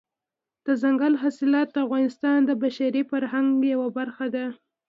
دځنګل حاصلات د افغانستان د بشري فرهنګ یوه برخه ده.